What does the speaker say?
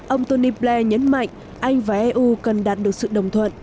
ông tony blay nhấn mạnh anh và eu cần đạt được sự đồng thuận